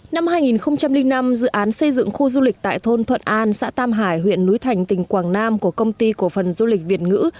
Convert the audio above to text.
năm hai nghìn năm dự án xây dựng khu du lịch tại thôn thuận an xã tam hải huyện núi thành tỉnh quảng nam của công ty cổ phần du lịch việt ngữ